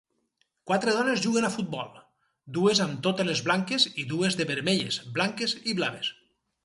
Quatre dones juguen a futbol, dues amb totes les blanques i dues de vermelles, blanques i blaves.